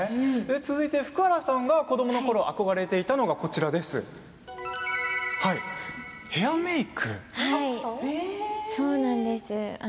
続いて福原さんが子どものころ憧れていたのがこちらそうなんです。